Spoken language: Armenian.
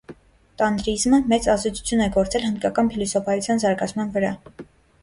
Տանտրիզմը մեծ ազդեցություն է գործել հնդկական փիլիսոփայության զարգացման վրա։